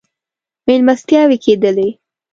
مېلمستیاوې کېدلې.